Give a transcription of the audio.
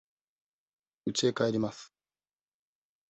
うちへ帰ります。